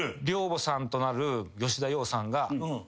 寮母さんとなる吉田羊さんが。